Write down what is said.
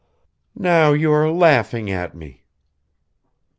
"Now you are laughing at me."